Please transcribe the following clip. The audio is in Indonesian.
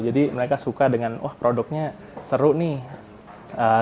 jadi mereka suka dengan produknya seru nih